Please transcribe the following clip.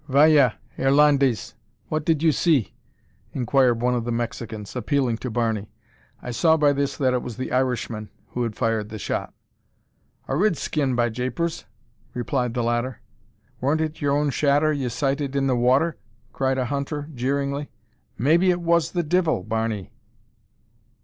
"Vaya, Irlandes! What did you see?" inquired one of the Mexicans, appealing to Barney. I saw by this that it was the Irishman who had fired the shot. "A rid skin, by japers!" replied the latter. "Warn't it yer own shadder ye sighted in the water?" cried a hunter, jeeringly. "Maybe it was the divil, Barney?"